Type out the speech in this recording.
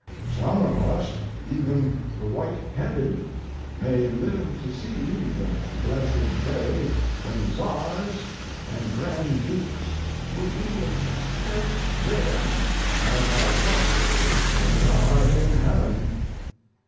Some of us, even the white headed, may live to see the blessed day when tsars and grand dukes will be as scarce there as I trust they are in heaven.